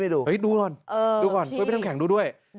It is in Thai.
ดูก่อนช่วยพี่น้ำแข็งดูด้วย